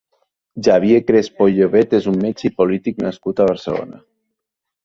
Xavier Crespo i Llobet és un metge i polític nascut a Barcelona.